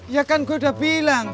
ya kan gue udah bilang